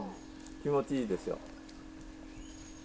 気持ちいいでしょ。